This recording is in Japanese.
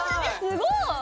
すごい！